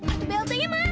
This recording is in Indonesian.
arti beltenya mana